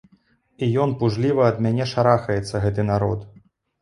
І ён пужліва ад мяне шарахаецца, гэты народ.